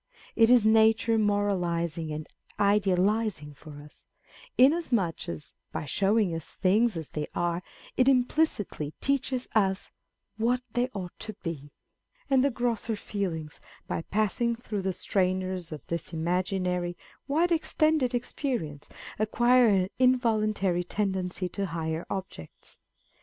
It is nature moralizing and idealizing for us ; inasmuch as, by showing us things as they are, it implicitly teaches us what they ought to be ; and the grosser feelings, by passing through the strainers of this imaginary, wide extended experience, acquire an involuntary tendency to higher objects.